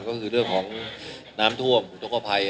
ก็คือเรื่องของน้ำท่วมอุทธกภัย